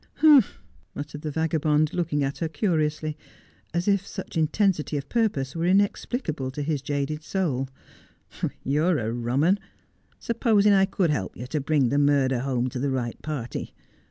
' Humph,' muttered the vagabond, looking at her curiously, as if such intensity of purpose were inexplicable to his jaded souL ' You're a rum 'un. Supposing I could help you to bring the murder home to the right party.